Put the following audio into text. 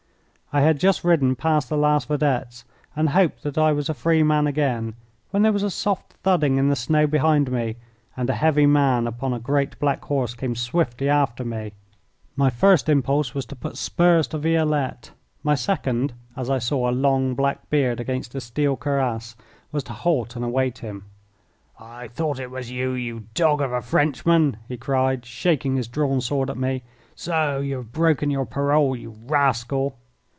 I had just ridden past the last vedettes and hoped that I was a free man again, when there was a soft thudding in the snow behind me, and a heavy man upon a great black horse came swiftly after me. My first impulse was to put spurs to Violette. My second, as I saw a long black beard against a steel cuirass, was to halt and await him. "I thought that it was you, you dog of a Frenchman," he cried, shaking his drawn sword at me. "So you have broken your parole, you rascal!"